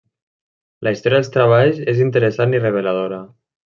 La història dels treballs és interessant i reveladora.